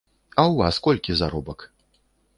А ў вас колькі заробак?